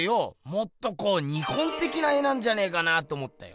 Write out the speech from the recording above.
もっとこう日本てきな絵なんじゃねえかなと思ったよ。